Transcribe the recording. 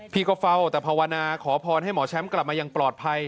พี่ก็เฝ้าแต่ภาวนาขอพรให้หมอแชมป์กลับมาอย่างปลอดภัย